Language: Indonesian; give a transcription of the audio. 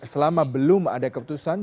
selama belum ada keputusan